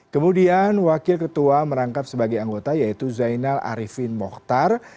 kemudian wakil ketua merangkap sebagai anggota yaitu zainal arifin mohtar